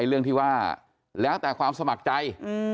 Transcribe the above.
เรื่องที่ว่าแล้วแต่ความสมัครใจ